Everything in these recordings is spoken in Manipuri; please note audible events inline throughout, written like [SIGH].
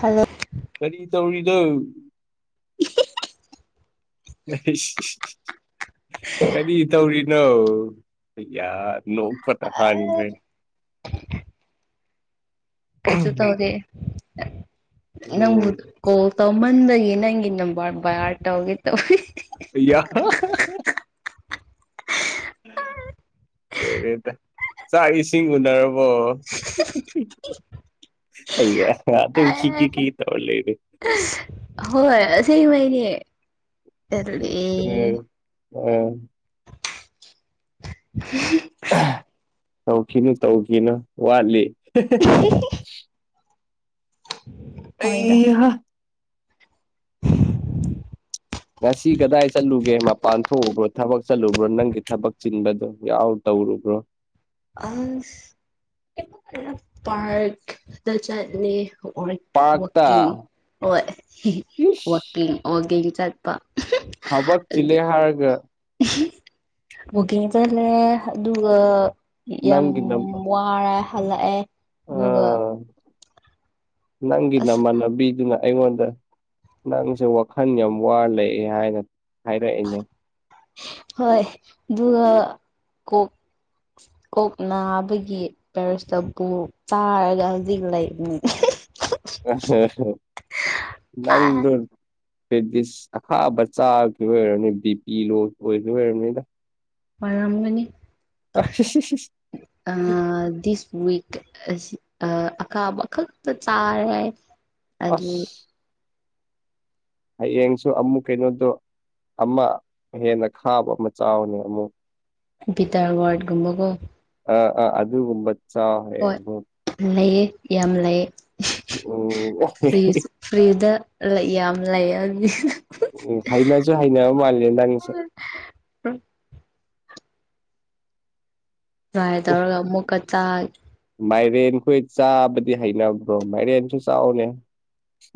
ꯍꯜꯂꯦ꯫ ꯀꯔꯤ ꯇꯧꯔꯤꯅꯣ꯫ [INAUDIBLE] ꯀꯔꯤ ꯇꯧꯔꯤꯅꯣ꯫ ꯌꯥ ꯅꯣꯡꯄꯇ ꯍꯥꯟꯒꯔꯦ ꯫ ꯀꯩꯁꯨ ꯇꯧꯗꯦ꯫ ꯅꯪꯕꯨ ꯎꯝ ꯀꯣꯜ ꯇꯧꯃꯟꯕꯒꯤ ꯅꯪꯒꯤ ꯅꯝꯕꯔ ꯕꯤꯏꯍꯔꯗ ꯇꯒꯦ ꯇꯧꯏ꯫ ꯑꯌꯥ [UNINTELLIGIBLE] ꯔꯣꯏꯔꯦꯗ ꯆꯥꯛ ꯏꯁꯤꯡ ꯎꯅꯔꯕꯣ꯫ ꯑꯌꯥ ꯑꯗꯨꯝ ꯈꯤ ꯀꯤ ꯀꯤ ꯇꯧꯔ ꯂꯩꯔꯦ꯫ ꯍꯣꯏ ꯑꯁꯦꯡꯕꯩꯅꯦ꯫ ꯎꯝ ꯑꯦ ꯇꯨꯝꯃꯦ ꯑꯥ [UNINTELLIGIBLE] ꯇꯧꯈꯤꯅꯨ ꯇꯧꯈꯤꯅꯨ ꯋꯥꯠꯂꯤ꯫ [UNINTELLIGIBLE] ꯍꯣꯏꯗ ꯑꯩꯍꯥ ꯉꯁꯤ ꯀꯗꯥꯏ ꯆꯠꯂꯨꯒꯦ ꯃꯥ ꯄꯥꯟꯊꯣꯛꯎꯕ꯭ꯔꯣ ꯊꯕꯛ ꯆꯠꯂꯨꯕ꯭ꯔꯣ ꯅꯪꯒꯤ ꯊꯕꯛ ꯆꯤꯟꯕꯗꯣ ꯌꯥꯝ ꯇꯧꯔꯨꯕ꯭ꯔꯣ꯫ ꯑꯁ ꯄꯥꯔꯛ ꯗ ꯆꯇꯂꯨꯌꯦ ꯑꯣꯔꯦꯟ ꯄꯥꯔꯛꯇ ꯋꯥꯀꯤꯡ ꯍꯣꯏ ꯏꯁ ꯋꯥꯀꯤꯡ ꯋꯥꯀꯤꯡ ꯆꯠꯄ꯫ ꯍꯕꯛ ꯆꯤꯂꯦ ꯍꯥꯔꯒ꯫ ꯋꯥꯒꯤꯡ ꯆꯠꯂꯦ ꯑꯗꯨꯒ ꯌꯥꯝ ꯅꯪꯒꯤ ꯅꯝꯕ ꯋꯥ ꯋꯥꯔꯦ ꯍꯜꯂꯛꯑꯦ ꯗꯨꯒ ꯑꯥ ꯅꯪꯒꯤ ꯑꯁ ꯅꯃꯥꯟꯅꯕꯤꯗꯨꯅ ꯑꯩꯉꯣꯟꯗ ꯅꯪꯁꯦ ꯋꯥꯈꯟ ꯌꯥꯝ ꯋꯥꯔ ꯂꯩꯑꯦ ꯍꯥꯏꯅ ꯍꯥꯏꯔꯛꯑꯦꯅꯦ꯫ ꯍꯣꯏ ꯗꯨꯒꯥ ꯀꯣ ꯀꯣꯛ ꯅꯥꯕꯒꯤ꯫ ꯄꯦꯔꯥꯁꯤꯇꯥꯒꯣꯜ ꯆꯔꯒꯥ ꯍꯥꯖꯤꯛ ꯂꯩꯕꯅꯤ꯫ ꯑꯥ ꯅꯡꯗꯨ ꯄꯦꯗꯤꯁ ꯑꯈꯥꯕ ꯆꯥꯒꯤꯕꯩ ꯑꯣꯏꯔꯝꯅꯤ ꯕꯤ ꯄꯤ ꯂꯣ ꯑꯣꯏꯕ ꯑꯣꯏꯔꯝꯅꯤꯗ꯫ ꯄꯔꯝꯒꯅꯤ꯫ ꯑ [UNINTELLIGIBLE] ꯑꯥ ꯗꯤꯁ ꯋꯤꯛ꯫ ꯑꯁ ꯑꯥ ꯑꯈꯥꯕ ꯈꯛꯇ ꯆꯥꯔꯦ ꯑꯗꯨ ꯑꯁ ꯍꯌꯦꯡꯁꯨ ꯑꯃꯨꯛ ꯀꯩꯅꯣꯗꯣ ꯑꯃ ꯍꯦꯟꯅ ꯈꯥꯕ ꯑꯃ ꯆꯥꯎꯅꯤ ꯑꯃꯨꯛ꯫ ꯕꯤꯇꯔ ꯋꯥꯔꯗ ꯒꯨꯝꯕꯒꯣ꯫ ꯑꯥ ꯑꯥ ꯑꯗꯨꯒꯨꯝꯕ ꯆꯥꯎ ꯍꯣꯏ ꯍꯥꯌꯦꯕꯨ꯫ ꯂꯩꯌꯦ ꯌꯥꯝ ꯂꯩꯌꯦ꯫ ꯎꯝ ꯐ꯭ꯔꯤꯖ ꯐ꯭ꯔꯤꯖꯗ ꯂꯩ ꯌꯥꯝ ꯂꯩꯑꯅꯤ꯫ ꯎꯝ ꯍꯅꯖꯨ ꯍꯥꯏꯅ ꯃꯥꯜꯂꯦ ꯅꯪꯁꯦ꯫ ꯇꯔ꯭ꯥꯏ ꯇꯧꯔꯒꯥ ꯑꯃꯨꯛꯀ ꯆꯥ ꯃꯥꯏꯔꯦꯟꯈꯣꯏ ꯆꯥꯕꯗꯤ ꯍꯩꯅꯕ꯭ꯔꯣ ꯃꯥꯏꯔꯦꯟꯁꯨ ꯆꯥꯎꯅꯦ꯫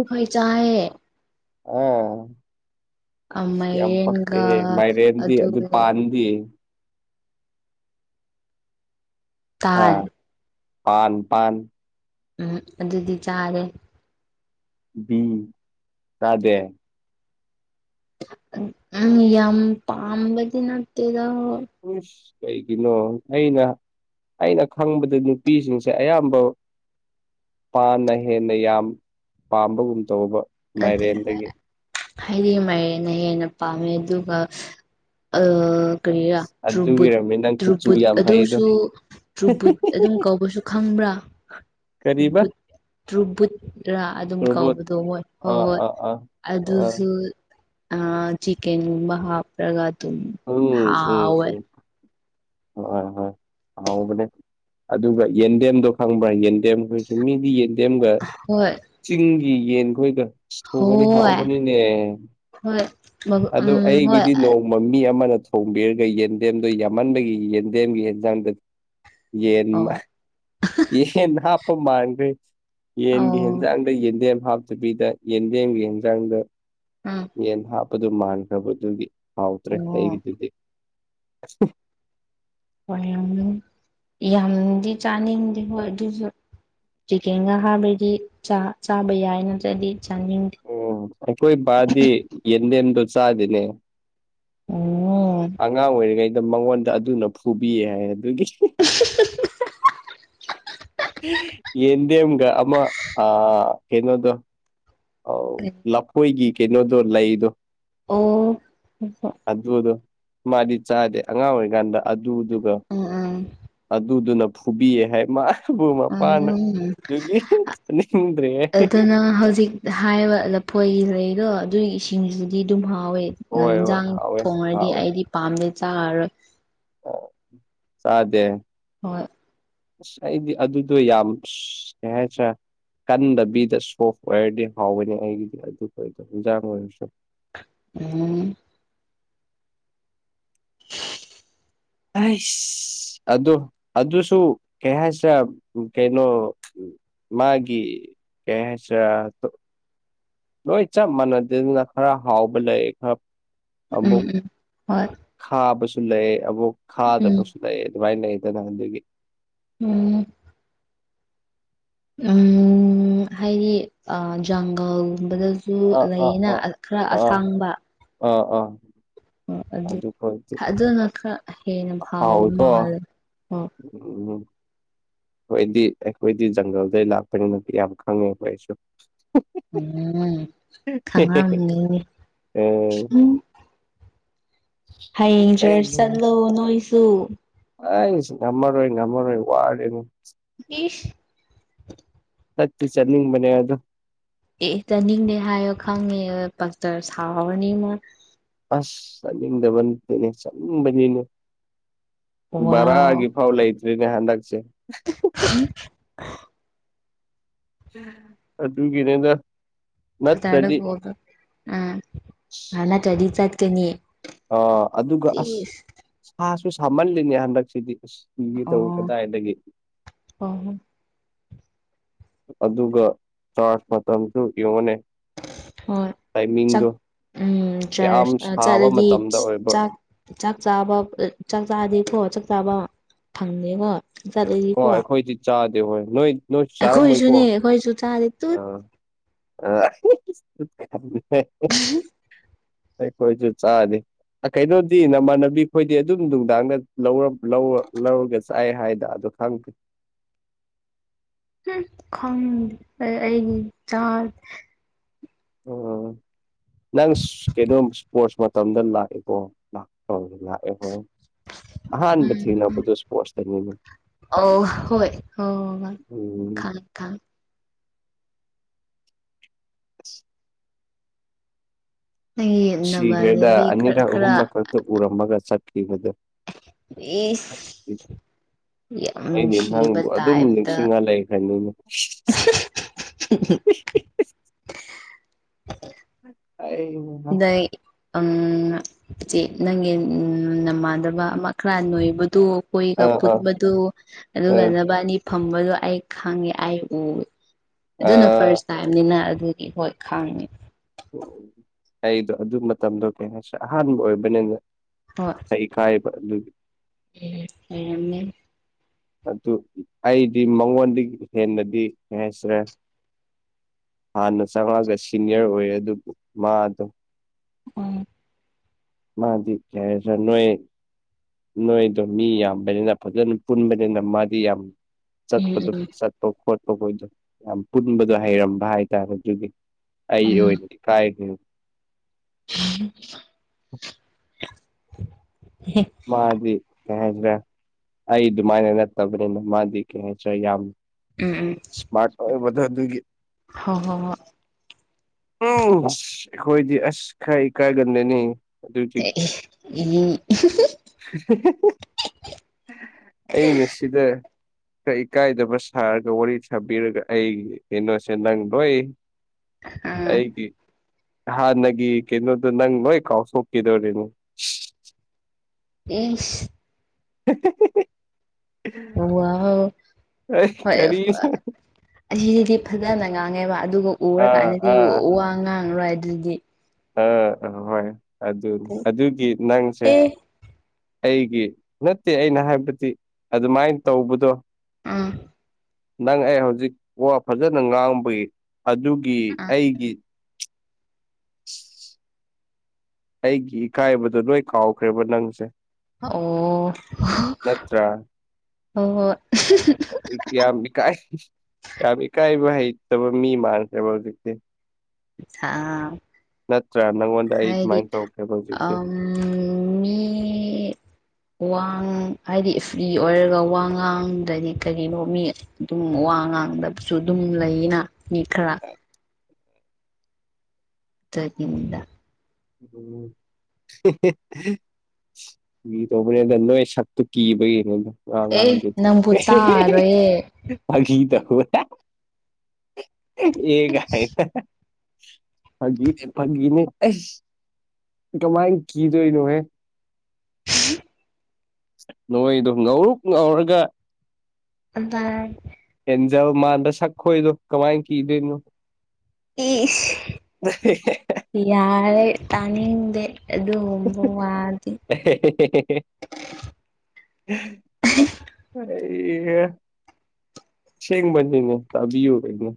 ꯍꯣꯏ ꯆꯑꯦ꯫ ꯑ ꯌꯥꯝ ꯃꯥꯏꯔꯦꯟꯒ ꯄꯛꯇꯦꯍꯦ ꯃꯥꯏꯔꯦꯟꯗꯤ ꯑꯗꯨ ꯄꯥꯟꯗꯤ꯫ ꯇꯥꯜ ꯑꯥ ꯄꯥꯟ ꯄꯥꯟ ꯎꯝ ꯑꯗꯨꯗꯤ ꯆꯥꯔꯦ ꯕꯤ ꯆꯥꯗꯦ ꯎꯝ ꯌꯥꯝ ꯄꯥꯝꯕꯗꯤ ꯅꯠꯇꯦꯗ ꯎꯁ ꯀꯩꯒꯤꯅꯣ ꯑꯩꯅ ꯑꯩꯅ ꯈꯪꯕꯗ ꯅꯨꯄꯤꯁꯤꯡꯁꯦ ꯑꯌꯥꯝꯕ ꯁꯥꯅ ꯍꯦꯟꯅ ꯌꯥꯝ ꯄꯥꯝꯕꯒꯨꯝ ꯇꯧꯕ ꯑꯗꯨ [UNINTELLIGIBLE] ꯃꯥꯏꯔꯦꯟꯗꯒꯤ ꯍꯥꯏꯗꯤ ꯃꯥꯏꯔꯦꯟꯅ ꯍꯦꯟꯅ ꯄꯥꯝꯃꯦ ꯑꯗꯨꯒ ꯑꯥ ꯀꯔꯤꯔꯥ ꯑꯁ ꯇ꯭ꯔꯨꯕꯨꯠ ꯑꯗꯨꯒꯤꯔꯝꯅꯤ ꯅꯪ ꯈꯨꯠꯆꯨ ꯇ꯭ꯔꯨꯕꯨꯠ ꯌꯥꯝ ꯐꯩꯗꯣ ꯑꯗꯨꯁꯨ ꯇ꯭ꯔꯨꯕꯨꯠ ꯑꯗꯨꯝ ꯀꯧꯕꯁꯨ ꯈꯪꯕ꯭ꯔꯥ ꯀꯔꯤꯕ ꯇ꯭ꯔꯨꯕꯨꯠꯂꯥ ꯑꯗꯨꯝ ꯇꯣꯔꯕꯣꯠ ꯀꯧꯕꯗꯣ ꯍꯣꯏ ꯍꯣꯏ ꯑꯥ ꯍꯣꯏ ꯑꯥ ꯑꯥ ꯑꯥ ꯑꯗꯨꯁꯨ ꯎꯠ ꯑꯥ ꯆꯤꯀꯟꯒꯨꯝꯕ ꯍꯥꯞꯄ꯭ꯔꯒꯥ ꯗꯨꯝ ꯍꯥꯎꯋꯦ ꯍꯣꯏ ꯍꯣꯏ ꯍꯣꯏ ꯍꯥꯎꯕꯅꯦ ꯑꯗꯨꯒ ꯌꯦꯟꯗꯦꯝꯗꯣ ꯈꯪꯕ꯭ꯔꯥ ꯌꯦꯟꯗꯦꯝꯈꯣꯏ ꯆꯤꯡꯃꯤꯗꯤ ꯌꯦꯟꯗꯦꯝꯒ ꯍꯣꯏ ꯆꯤꯡꯒꯤ ꯌꯦꯟꯈꯣꯏꯒ ꯊꯨꯕꯗꯤ ꯍꯣꯏ ꯍꯥꯎꯕꯅꯤꯅꯦ ꯍꯣꯏ ꯑꯗꯨ ꯎꯝ ꯍꯣꯏ ꯑꯩꯒꯤꯗꯤ ꯅꯣꯡ ꯊꯣꯡꯕ ꯃꯤ ꯑꯃꯅ ꯊꯣꯡꯕꯤꯔꯒ ꯌꯦꯟꯗꯦꯝꯗꯣ ꯌꯥꯝꯃꯟꯕꯒꯤ ꯌꯦꯟꯗꯦꯝꯒꯤ ꯌꯦꯟꯖꯥꯡꯗꯣ ꯌꯦꯟ ꯑꯣ ꯌꯦꯟ ꯍꯥꯞꯄ‌ ꯃꯥꯟꯈ꯭ꯔꯦ ꯑꯣ ꯌꯦꯟꯒꯤ ꯍꯦꯟꯖꯥꯡꯗ ꯌꯦꯟꯗꯦꯝ ꯍꯥꯞꯇꯕꯤꯗ ꯌꯦꯟꯗꯦꯝꯒꯤ ꯌꯦꯟꯖꯥꯡꯗ ꯎꯝ ꯌꯦꯟ ꯍꯥꯞꯄꯗꯨ ꯃꯥꯟꯈ꯭ꯔꯕ ꯑꯗꯨꯒꯤ ꯍꯥꯎꯇ꯭ꯔꯦ ꯑꯣ [UNINTELLIGIBLE] ꯍꯣꯏ ꯌꯥꯝꯅ ꯌꯥꯝꯗꯤ ꯆꯥꯅꯤꯡꯗꯦ ꯍꯣꯏ ꯑꯗꯨꯖꯨ ꯆꯤꯀꯦꯟꯒ ꯍꯥꯞꯔꯗꯤ ꯆꯥ ꯆꯥꯕ ꯌꯥꯏ ꯅꯠꯇ꯭ꯔꯗꯤ ꯆꯥꯅꯤꯡꯗꯦ ꯑꯣ ꯑꯩꯈꯣꯏ ꯕꯥꯗꯤ ꯌꯦꯟꯗꯦꯝꯗꯣ ꯆꯥꯗꯦꯅꯦ ꯑꯣ ꯑꯉꯥꯡ ꯑꯣꯏꯔꯤꯉꯩꯗ ꯃꯉꯣꯟꯗ ꯑꯗꯨꯅ ꯐꯨꯕꯤꯌꯦ ꯍꯥꯏꯌꯦ ꯑꯗꯨꯒꯤ ꯌꯦꯟꯗꯦꯝꯒ ꯑꯃ ꯑꯥ ꯀꯩꯅꯣꯗꯣ ꯑꯥꯎ ꯀꯩ ꯂꯐꯣꯏꯒꯤ ꯀꯩꯅꯣꯗꯣ ꯂꯩꯗꯣ ꯑꯣ [UNINTELLIGIBLE] ꯑꯗꯨꯗꯣ ꯃꯥꯗꯤ ꯆꯥꯗꯦ ꯑꯉꯥꯡ ꯑꯣꯏꯔꯤꯀꯥꯟꯗ ꯑꯗꯨꯗꯨꯒ ꯎꯝ ꯑꯗꯨꯗꯨꯅ ꯐꯨꯕꯤꯌꯦ ꯍꯥꯏ ꯃꯥ ꯈꯨꯕꯨ ꯃꯄꯥꯅ ꯎꯝ ꯑꯗꯨꯒꯤ ꯆꯥꯅꯤꯡꯗ꯭ꯔꯦ ꯍꯥꯏꯌꯦ [UNINTELLIGIBLE] ꯑꯥ ꯍꯧꯖꯤꯛ ꯍꯥꯏꯕ ꯂꯐꯣꯏꯒꯤ ꯂꯩꯗꯣ ꯑꯗꯨꯒꯤ ꯁꯤꯡꯖꯨꯗꯤ ꯑꯗꯨꯝ ꯍꯥꯎꯋꯦ ꯍꯣꯏ ꯍꯣꯏ ꯉꯥꯟꯖꯥꯡ ꯍꯥꯎꯋꯦ ꯊꯣꯡꯉꯔꯗꯤ ꯍꯥꯎꯋꯦ ꯑꯩꯗꯤ ꯄꯥꯝꯗꯦ ꯆꯥꯔꯔꯣꯏ ꯑꯣ ꯆꯥꯗꯦ ꯍꯣꯏ ꯑꯁ ꯑꯩꯗꯤ ꯑꯗꯨꯗꯣ ꯌꯥꯝ ꯀꯩ ꯍꯥꯏꯁꯦꯔꯥ ꯀꯟꯗꯕꯤꯗ ꯁꯣꯐ ꯑꯣꯏꯔꯗꯤ ꯍꯥꯎꯕꯅꯤ ꯑꯩꯒꯤꯗꯤ ꯑꯗꯨ [UNINTELLIGIBLE] ꯏꯟꯖꯥꯡ ꯑꯣꯏꯔꯁꯨ ꯎꯝ ꯑꯥꯏꯁ ꯑꯗꯣ ꯑꯗꯨꯁꯨ ꯀꯩ ꯍꯥꯏꯁꯤꯔ ꯀꯩꯅꯣ ꯃꯥꯒꯤ ꯀꯩ ꯍꯥꯏꯁꯤꯔꯥ ꯂꯣꯏ ꯆꯞ ꯃꯥꯟꯅꯗꯦꯗꯅ ꯈꯔ ꯍꯥꯎꯕ ꯂꯩ ꯈꯔ ꯑꯃꯨꯛ ꯎꯝ ꯎꯝ ꯍꯣꯏ ꯈꯥꯕꯁꯨ ꯂꯩ ꯑꯕꯣꯛ ꯎꯝ ꯈꯥꯗꯕꯁꯨ ꯂꯩ ꯑꯗꯨꯃꯥꯏꯅ ꯂꯩꯗꯅ ꯑꯗꯨꯒꯤ ꯎꯝ ꯎꯝ ꯍꯥꯏꯗꯤ ꯖꯪꯒꯜꯒꯨꯝꯕꯗ ꯁꯨ ꯑꯥ ꯂꯩꯅ ꯈꯔ ꯑꯁꯥꯡꯕ ꯑ ꯑꯥ ꯑꯣ ꯑꯗꯨ ꯑꯗꯨꯅ ꯈꯔ ꯍꯦꯟꯅ ꯐꯥꯎꯕ ꯍꯥꯎꯋꯤꯀꯣ ꯃꯥꯜꯂꯦ ꯑꯣ [UNINTELLIGIBLE] ꯈ‌ꫭꯏꯗꯤ ꯑꯩꯈꯣꯏꯗꯤ ꯖꯪꯒꯜꯗꯩ ꯂꯥꯛꯄꯅꯤꯅꯗꯤ ꯌꯥꯝ ꯈꯪꯉꯦ ꯑꯩꯈꯣꯏ ꯑꯩꯁꯨ ꯎꯝ ꯈꯪꯉꯝꯅꯤ ꯎꯝ ꯍꯌꯦꯡꯆ꯭ꯔꯥꯁ ꯆꯠꯂꯣ ꯅꯣꯏꯁꯨ ꯑꯥꯁ ꯉꯃꯔꯣꯏ ꯉꯃꯔꯣꯏ ꯋꯥꯔ‌ꯦꯕ‌ꫭ ꯕꯤꯁ ꯆꯠꯇꯤ ꯆꯠꯅꯤꯡꯕꯅ‌ꯦ ꯑꯗ‌ꫭ ꯑꯦ ꯆꯥꯅꯤꯡꯗꯦ ꯍꯥꯏꯌ‌ꯦ ꯈꯪꯉꯦ ꯄꯥꯛꯆꯔ ꯁꯥꯎꯍꯧꯔꯅꯤꯉ‌ꫭ ꯑꯁ ꯆꯠꯅꯤꯡꯗꯕ ꯅꯠꯇ‌ꯦꯅ‌ꯦ ꯆꯠꯅꯤꯡꯕꯅꯤꯅ‌ꯦ ꯋꯥꯎ ꯕꯔꯥꯒꯤ ꯐꯥꯎ ꯂꯩꯇ꯭ꯔ‌ꯦꯅꯦ ꯍꯟꯗꯛꯁꯦ [UNINTELLIGIBLE] ꯑꯗꯨ ꯒꯤꯅꯦꯗ ꯐꯊꯥꯔꯗ ꯀ‌ꫭꯜ ꯑ ꯅꯠꯇꯔꯗꯤ ꯆꯠꯀꯅꯤ ꯑ ꯑꯗꯨꯒ ꯑꯁ ꯁꯤꯁ ꯁꯥꯁꯨ ꯁꯥꯃꯜꯂꯤꯅꯦ ꯍꯟꯗꯛꯁꯤꯗꯤ ꯑꯁ ꯃꯨꯟꯒ‌ꯦ ꯇꯧꯌꯤ ꯀꯗꯥꯏꯗꯒꯤ ꯑꯣ ꯍ‌ꫭ ꯑꯗꯨꯒ ꯆꯥꯔꯖ ꯃꯇꯝꯁꯨ ꯌꯦꯡꯉꯣꯅꯦ ꯍꯣꯏ ꯆꯥꯛ ꯇꯥꯏꯃꯤꯡꯗꯣ ꯎꯝ ꯌꯥꯝ ꯆꯔꯆ ꯁꯥꯕ ꯆꯠꯂꯗꯤ ꯃꯇꯝꯗ ꯑꯣꯏꯕ ꯆꯥꯛ ꯆꯥꯛ ꯆꯥꯕ ꯆꯥꯛ ꯆꯥꯗꯦꯀꯣ ꯆꯥꯛ ꯆꯥꯕ ꯐꯪꯗꯦꯀꯣ ꯍꯣꯏ ꯆꯠꯂꯗꯤꯀꯣ ꯑꯩꯈꯣꯏꯗꯤ ꯆꯥꯗꯦ ꯍꯣꯏ ꯅꯣꯏ ꯅꯣꯏꯁꯨ ꯆꯥꯔꯝꯃꯣꯏꯀꯣ ꯈꯣꯏꯁꯨ ꯆꯥꯗ‌ꯦ ꯑ ꯑ ꯑꯩꯈꯣꯏꯁꯨ ꯆꯥꯗꯦ ꯑ ꯀꯩꯅꯣꯗꯤ ꯅꯃꯥꯟꯅꯕꯤ ꯈꯣꯏꯗꯤ ꯑꯗꯨꯝ ꯅꯨꯡꯗꯥꯡꯗ ꯂꯧꯔꯝ ꯂꯧꯔ ꯂꯧꯔꯒ ꯆꯥꯏ ꯍꯥꯏꯗ ꯑꯗꯣ ꯈꯪꯗꯦ ꯈꯪꯗꯦ ꯑꯩꯒꯤ ꯆꯥ ꯎꯝ [INAUDIBLE] ꯅꯪ ꯀꯩꯅꯣꯝ ꯏꯁꯄꯣꯔꯠꯁ ꯃꯇꯝꯗ ꯂꯥꯛꯑꯦꯀꯣ ꯂꯥꯛꯑꯦ ꯍꯣꯏ ꯑꯍꯥꯟꯕ ꯎꯝ ꯊꯦꯡꯅꯕꯗꯣ ꯁ꯭ꯄꯣꯔꯠꯇꯅꯤꯅꯦ ꯑꯧ ꯍꯣꯏ ꯑꯧ ꯃꯥꯅꯤ ꯎꯝ ꯈꯪꯉ‌ꯦ ꯈꯪꯉ‌ꯦ ꯑꯁ ꯅꯪꯒꯤ ꯁꯤꯈ꯭ꯔꯦꯗ ꯅꯃꯥꯟꯅꯕꯤ ꯈꯔ ꯑꯅꯤꯔꯛ ꯈꯔ ꯑꯍꯨꯝꯔꯛ ꯈꯛꯇ ꯎꯔꯝꯃꯒ ꯆꯠꯈꯤꯕꯗꯨ ꯏꯁ ꯌꯥꯝ ꯑꯩꯗꯤ ꯅꯨꯡꯁꯤꯕ ꯅꯪꯕꯨ ꯑꯗꯨꯝ ꯇꯥꯏꯞꯇ ꯅꯤꯡꯁꯤꯡꯉ ꯂꯩꯈ꯭ꯔꯅꯤꯅꯦ [UNINTELLIGIBLE] ꯑꯩꯏ ꯅꯩ ꯎꯝ ꯏꯆꯦ ꯅꯪꯒꯤ ꯅꯃꯥꯟꯗꯕ ꯑꯃ ꯈꯔ ꯅꯣꯏꯕꯗꯨ ꯀꯨꯏꯒ ꯑꯥ ꯑꯥ ꯄꯨꯟꯕꯗꯨ ꯑꯗꯨꯒ ꯑꯥ ꯅꯕꯥꯅꯤ ꯐꯝꯕꯗꯣ ꯑꯩ ꯈꯪꯉꯦ ꯑꯩ ꯎ ꯑꯗꯨꯅ ꯑꯥ ꯐꯥꯔꯁ ꯇꯥꯏꯝꯅꯤꯅ ꯑꯗꯨꯒꯤ ꯍꯣꯏ ꯈꯥꯡꯉꯤ ꯎ ꯑꯩꯗꯣ ꯑꯗꯨ ꯃꯇꯝꯗꯣ ꯀꯩ ꯍꯥꯏꯁꯦ ꯑꯍꯥꯟꯕ ꯑꯣꯏꯕꯅꯦꯕ ꯍꯣꯏ ꯑꯩꯩ ꯏꯀꯥꯏꯕ ꯑꯗꯨꯒꯤ [UNINTELLIGIBLE] ꯂꯩꯔꯝꯃꯦ ꯑꯗꯨ ꯑꯩꯗꯤ ꯃꯉꯣꯟꯗꯒꯤ ꯍꯦꯟꯅꯗꯤ ꯀꯩ ꯍꯥꯏꯁꯤꯔꯥ ꯍꯥꯟꯅ ꯆꯪꯉꯛꯑꯒ ꯁꯤꯅꯤꯌꯔ ꯑꯣꯏꯔꯦ ꯑꯗꯨꯕꯨ ꯃꯥꯗꯣ ꯎꯝ ꯃꯥꯗꯤ ꯀꯔꯤ ꯍꯥꯏꯁꯤꯔ ꯅꯣꯏ ꯅꯣꯏꯗꯣ ꯃꯤ ꯌꯥꯝꯕꯅꯤꯅ ꯐꯖꯅ ꯄꯨꯟꯕꯅꯤꯅ ꯃꯥꯗꯤ ꯌꯥꯝ ꯎꯝ ꯆꯠꯄꯗꯣ ꯆꯠ ꯄ ꯈꯣꯠꯄꯈꯣꯏꯗꯣ ꯌꯥꯝ ꯄꯨꯟꯕꯗꯣ ꯍꯩꯔꯝꯕ ꯍꯥꯏꯇꯥꯔꯦ ꯑꯗꯨꯒꯤ ꯑꯩ ꯎꯝ ꯎꯝ ꯑꯣꯏꯅꯗꯤ ꯀꯥꯏꯗꯦꯕ [UNINTELLIGIBLE] ꯃꯥꯗꯤ ꯀꯩ ꯍꯥꯏꯁꯤꯔꯥ ꯑꯩ ꯑꯗꯨꯃꯥꯏꯅ ꯅꯠꯇꯕꯅꯤꯅ ꯃꯥꯗꯤ ꯀꯩ ꯍꯥꯏꯁꯤꯔ ꯌꯥꯝ ꯎꯝ ꯎꯝ ꯏ꯭ꯁꯃꯥꯔꯠ ꯑꯣꯏꯕꯗꯣ ꯑꯗꯨꯒꯤ ꯍꯣꯏ ꯍꯣꯏ ꯎꯝ ꯑꯁ ꯑꯩꯈꯣꯏꯗꯤ ꯑꯁ ꯈꯔ ꯏꯀꯥꯏꯂꯝꯂꯦꯅꯦ [UNINTELLIGIBLE] [UNINTELLIGIBLE] ꯑꯩꯅ ꯁꯤꯗ ꯈꯔ ꯏꯀꯥꯏꯗꯕ ꯁꯥꯔ ꯋꯥꯔꯤ ꯁꯥꯕꯤꯔꯒ ꯑꯩꯒꯤ ꯀꯩꯅꯣꯁꯦ ꯅꯪ ꯂꯣꯏ ꯑꯥ ꯑꯩꯒꯤ ꯍꯥꯟꯅꯒꯤ ꯀꯩꯅꯣꯗꯣ ꯅꯪ ꯂꯣꯏ ꯀꯥꯎꯊꯣꯛꯀꯤꯗꯣꯔꯦꯗꯣ ꯏꯁ [UNINTELLIGIBLE] ꯑꯣ ꯋꯥꯎ ꯑꯩ ꯍꯣꯏ ꯀꯔꯤ [UNINTELLIGIBLE] ꯑꯁꯤꯗꯤ ꯐꯖꯅ ꯉꯥꯡꯉꯦꯕ ꯑꯗꯨꯕꯨ ꯑꯥ ꯎꯔꯀꯥꯟꯗꯗꯤ ꯑꯥ ꯋꯥ ꯉꯥꯡꯉꯔꯣꯏ ꯑꯗꯨꯗꯤ ꯑꯥ ꯑꯥ ꯍꯣꯏ ꯑꯗꯨ ꯑꯗꯨꯒꯤ ꯅꯪꯁꯦ ꯑꯦ ꯑꯩꯒꯤ ꯅꯠꯇꯦ ꯑꯩꯅ ꯍꯥꯏꯕꯗꯤ ꯑꯗꯨꯃꯥꯏꯅ ꯇꯧꯕꯗꯣ ꯑꯥ ꯅꯪ ꯑꯩ ꯍꯧꯖꯤꯛ ꯋꯥ ꯐꯖꯅ ꯉꯥꯡꯕꯒꯤ ꯑꯗꯨꯒꯤ ꯑꯥ ꯑꯩꯒꯤ ꯑꯩꯒꯤ ꯏꯀꯥꯏꯕꯗꯣ ꯂꯣꯏ ꯀꯥꯎꯈ꯭ꯔꯦꯕ ꯅꯪꯁꯦ ꯑꯣ ꯅꯠꯇ꯭ꯔꯥ ꯑꯣ [UNINTELLIGIBLE] ꯌꯥꯝ ꯏꯀꯥꯏ ꯌꯥꯝ ꯏꯀꯥꯏꯕ ꯍꯩꯇꯕ ꯃꯤ ꯃꯥꯟꯈ꯭ꯔꯦꯕ ꯍꯧꯖꯤꯛꯇꯤ ꯁꯥ ꯅꯠꯇ꯭ꯔꯥ ꯅꯪꯉꯣꯟꯗ ꯑꯩ ꯍꯥꯏꯗꯤ ꯁꯨꯃꯥꯏꯅ ꯇꯧꯈꯔ꯭ꯦꯕ ꯍꯧꯖꯤꯛꯇꯤ [UNINTELLIGIBLE] ꯃꯤ ꯋꯥꯡ ꯍꯥꯏꯗꯤ ꯐ꯭ꯔꯤ ꯑꯣꯏꯔꯒ ꯋꯥꯉꯥꯡꯗꯗꯤ ꯀꯔꯤꯅꯣ ꯃꯤ ꯗꯨꯝ ꯋꯥ ꯉꯥꯡꯗꯕꯁꯨ ꯑꯗꯨꯝ ꯂꯩꯌꯦꯅ ꯃꯤ ꯈꯔ [INAUDIBLE] [UNINTELLIGIBLE] [UNINTELLIGIBLE] ꯃꯤ [UNINTELLIGIBLE] ꯅꯣꯏ ꯁꯛꯇꯨ ꯀꯤꯕꯒꯤꯒꯣ ꯑꯦ ꯋꯥꯉꯥꯡꯒꯤ ꯅꯪꯕꯨ ꯆꯥꯔꯣꯏꯌꯦ [UNINTELLIGIBLE] ꯐꯥꯒꯤ ꯇꯧꯕ [UNINTELLIGIBLE] ꯐꯒꯤꯅꯦ ꯐꯒꯤꯅꯦ ꯑꯁ ꯑꯗꯨꯃꯥꯏ ꯀꯤꯗꯣꯏꯅꯣꯍꯦ [UNINTELLIGIBLE] ꯅꯣꯏꯗꯣ ꯉꯧꯔꯣꯛ ꯉꯧꯔꯒ [UNINTELLIGIBLE] ꯑꯦꯟꯖꯜ ꯃꯥꯟꯗ ꯁꯛꯈꯣꯏꯗꯣ ꯀꯃꯥꯏꯅ ꯀꯤꯗꯣꯏꯅꯣ ꯏꯁ ꯌꯥꯔꯦ ꯇꯥꯅꯤꯡꯗꯦ ꯑꯗꯨꯒꯨꯝꯕ ꯋꯥꯗꯤ [UNINTELLIGIBLE] [UNINTELLIGIBLE] ꯑꯥ ꯁꯦꯡꯕꯅꯤꯉꯦ ꯇꯥꯕꯤꯌꯨ ꯏꯕꯨꯡ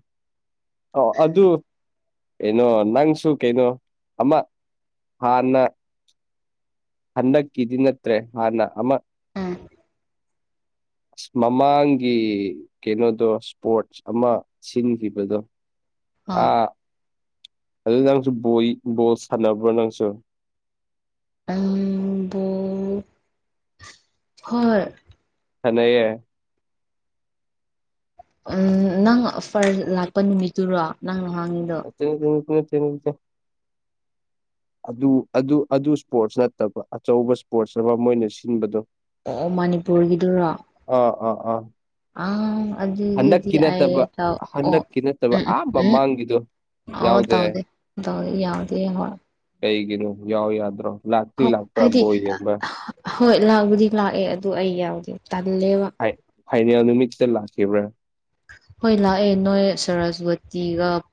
ꯑꯥ ꯑꯗꯨ ꯀꯩꯅꯣ ꯅꯪꯁꯨ ꯀꯩꯅꯣ ꯑꯃ ꯍꯥꯟꯅ ꯍꯟꯗꯛꯀꯤꯗꯤ ꯅꯠꯇ꯭ꯔꯦ ꯍꯥꯟꯅ ꯑꯃ ꯑ ꯑꯁ ꯃꯃꯥꯡꯒꯤ ꯀꯩꯅꯣꯗꯣ ꯏꯁꯄꯣꯔꯠꯁ ꯑꯃ ꯁꯤꯟꯒꯤꯕꯗꯣ ꯑꯥ ꯑꯗꯨ ꯅꯪꯖꯨ ꯕꯣꯏ ꯕꯣꯟ ꯁꯥꯟꯅꯕ꯭ꯔꯣ ꯅꯪꯁꯨ ꯑꯝ ꯍꯣꯏ ꯁꯥꯅꯩꯑꯦ ꯑꯝ ꯅꯪ ꯐꯔ ꯂꯥꯛꯄ ꯅꯨꯃꯤꯠꯇꯨꯔꯣ ꯅꯪꯍꯥꯡꯉꯤꯗꯣ [UNINTELLIGIBLE] [INAUDIBLE] ꯑꯗꯨ ꯑꯗꯨ ꯑꯗꯨ ꯏꯁꯄꯣꯔꯠꯁ ꯅꯠꯇꯕ ꯑꯆꯧꯕ ꯏꯁꯄꯣꯔꯠꯁ ꯑꯃ ꯃꯣꯏꯅ ꯁꯤꯟꯕꯗꯣ ꯑꯣ ꯃꯅꯤꯄꯨꯔꯒꯤꯗꯨꯔꯣ ꯑꯥ ꯑꯥ ꯑꯥ ꯑꯥ ꯍꯟꯗꯛꯀꯤ ꯑꯗꯨꯗꯤꯑꯩ ꯅꯠꯇꯕ ꯊꯛꯑꯣ ꯍꯟꯗꯛꯀꯤ ꯅꯠꯇꯕ ꯎꯝ ꯑꯥ ꯎꯝ ꯃꯃꯥꯡꯒꯤꯗꯣ ꯑꯧ ꯌꯥꯎꯗꯦ ꯇꯥꯎꯗꯦ ꯗꯧ ꯌꯥꯎꯗꯦ [UNINTELLIGIBLE] ꯀꯩꯒꯤꯅꯣ ꯌꯥꯎ ꯌꯥꯗ꯭ꯔꯣ ꯂꯥꯛꯇꯤ ꯍꯣꯏ ꯂꯥꯛꯄ ꯍꯥꯏꯗꯤ ꯕꯣꯜ ꯌꯦꯡꯕ ꯍꯣꯏ ꯂꯥꯛꯕꯨꯗꯤ ꯂꯥꯛꯑꯦ ꯑꯗꯨ ꯑꯩ ꯌꯥꯎꯗꯦ ꯇꯜꯂꯦꯕ ꯐꯥꯢ ꯐꯥꯏꯅꯦꯜ ꯅꯨꯃꯤꯠꯁꯇ ꯂꯥꯛꯈꯤꯕ꯭ꯔꯥ ꯍꯣꯏ ꯂꯥꯛꯑꯦ ꯅꯣꯏ ꯁꯔꯖꯋꯇꯤꯒ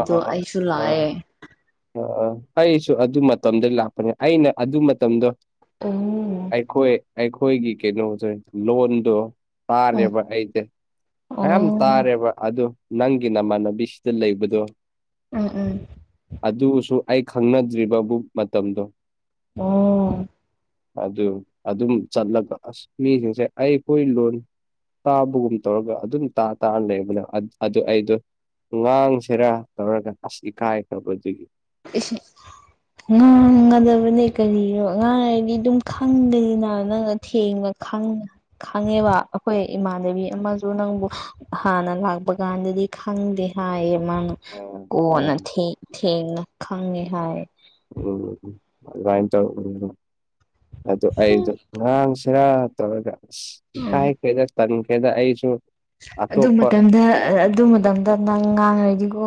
ꯑ ꯑ ꯑ ꯑꯥ ꯂꯥꯛꯑꯦ ꯑꯥ ꯑꯥ ꯑꯩꯁꯨ ꯑꯗꯨ ꯃꯇꯝꯗ ꯂꯥꯛꯄꯅꯦ ꯑꯩꯅ ꯑꯗꯨ ꯃꯇꯝꯗꯣ ꯑꯣ ꯎꯝ ꯑꯩꯈꯣꯏ ꯑꯩꯈꯣꯏꯒꯤ ꯀꯩꯅꯣꯗꯣ ꯂꯣꯟꯗꯣ ꯑꯣ ꯇꯥꯔꯦꯕ ꯑꯩꯗꯤ ꯃꯌꯥꯝ ꯎꯝ ꯇꯥꯔꯦꯕ ꯑꯗꯨ ꯅꯪꯒꯤ ꯅꯃꯥꯟꯅꯕꯤꯁꯤꯗ ꯂꯩꯕ ꯑꯗ‌ꯣ ꯎꯝ ꯎꯝ ꯑꯗꯨꯁꯨ ꯑꯩ ꯈꯪꯅꯗ꯭ꯔꯤꯕꯕꯨ ꯃꯇꯝꯗꯣ ꯑꯣ ꯑꯗꯨ ꯑꯗꯨꯝ ꯆꯠꯂꯒ ꯑꯁ ꯃꯤꯁꯤꯡꯁꯦ ꯑꯩꯈꯣꯏ ꯂꯣꯟ ꯇꯥꯕꯒꯨꯝ ꯇꯧꯔꯒ ꯑꯗꯨꯝ ꯇꯥ ꯇꯥꯔ ꯂꯩꯕꯅꯦ ꯑꯗꯨ ꯑꯩꯗꯣ ꯉꯥꯡ ꯈꯦꯔꯥ ꯇꯧꯔꯒ ꯑꯁ ꯏꯀꯥꯏꯈ꯭ꯔꯕꯗꯨꯒꯤ ꯑꯦꯁ ꯉꯥꯡꯒꯗꯕꯅꯦ ꯀꯔꯤꯅꯣ ꯉꯥꯡꯉꯗꯤ ꯑꯗꯨꯝ ꯈꯪꯗꯅꯤꯅ ꯅꯪꯅ ꯊꯦꯡꯕ ꯈꯪ ꯈꯪꯉꯦꯕ ꯑꯩꯈꯣꯏ ꯏꯃꯥꯟꯅꯕꯤ ꯑꯃꯁꯨ ꯅꯪꯕꯨ ꯍꯥꯟꯅ ꯂꯥꯛꯄ ꯀꯥꯟꯗꯗꯤ ꯈꯪꯗꯦ ꯍꯥꯏꯌꯦ ꯃꯥꯅ ꯀꯣꯟꯅ ꯎꯝ ꯊꯦ ꯊꯦꯡꯅ ꯈꯪꯉꯦ ꯍꯥꯏꯌꯦ [UNINTELLIGIBLE] ꯑꯗꯨꯃꯥꯏ ꯇꯧ [UNINTELLIGIBLE] ꯑꯗꫭ ꯑꯩꯗꯤ ꯉꯥꯡꯁꯤꯔꯥ ꯇꯧꯔꯒ ꯁ ꯎꯝ ꯏꯀꯥꯏꯈ꯭ꯔꯦꯗ ꯇꯟꯈ꯭ꯔꯦꯗ ꯑꯩꯁꯨ ꯑꯗꯨ ꯑꯇꯣꯞꯄ ꯃꯇꯝꯗ ꯑꯗꯨ ꯃꯇꯝꯗ ꯅꯪ ꯉꯥꯡꯔꯗꯤꯀꯣ